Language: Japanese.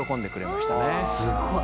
すごい。